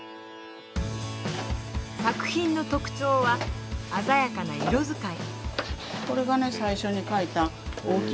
作品の特徴は鮮やかな色使い。